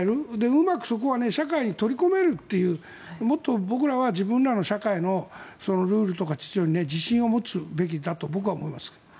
うまくそこは社会に取り込めるというもっと僕らは自分らの社会のルールとか秩序に自信を持つべきだと僕は思います。